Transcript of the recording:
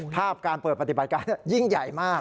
ภาพการเปิดปฏิบัติการยิ่งใหญ่มาก